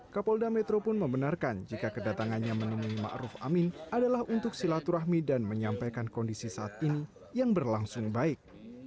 kapolda metro pun membenarkan jika kedatangannya menemui ⁇ maruf ⁇ amin adalah untuk silaturahmi dan menyampaikan kondisi saat ini yang berlangsung baik